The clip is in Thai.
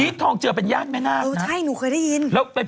พีชทองเจือเป็นญาติแม่นาคนะ